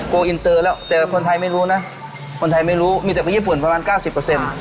อินเตอร์แล้วแต่คนไทยไม่รู้นะคนไทยไม่รู้มีแต่ไปญี่ปุ่นประมาณเก้าสิบเปอร์เซ็นต์